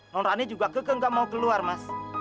non rani juga keke nggak mau keluar mas